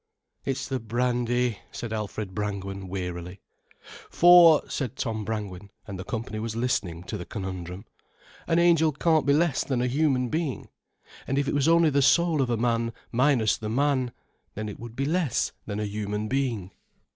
"It's the brandy," said Alfred Brangwen wearily. "For," said Tom Brangwen, and the company was listening to the conundrum, "an Angel can't be less than a human being. And if it was only the soul of a man minus the man, then it would be less than a human being."